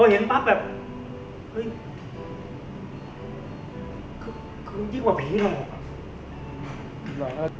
แห้งอยู่แล้วเนี่ย